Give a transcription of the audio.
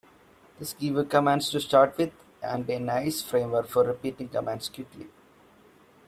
This gives you commands to start with and a nice framework for repeating commands quickly.